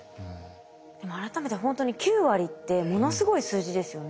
でも改めてほんとに９割ってものすごい数字ですよね。